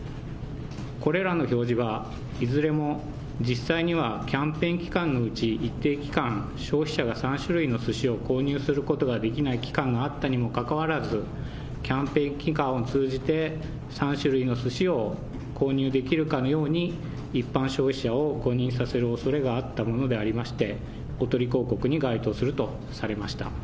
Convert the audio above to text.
これらの表示は、いずれも実際にはキャンペーン期間のうち一定期間、消費者が３種類のすしを購入することができない期間があったにもかかわらず、キャンペーン期間を通じて、３種類のすしを購入できるかのように、一般消費者を誤認させるおそれがあったものでありまして、おとり広告に該当するとされました。